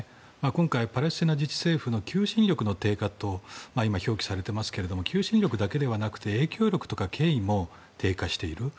今回、パレスチナ自治政府の求心力の低下と今、表記されていますが求心力だけではなくて影響力とか権威も低下している。